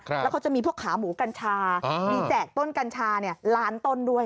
แล้วเขาจะมีพวกขาหมูกัญชามีแจกต้นกัญชาล้านต้นด้วย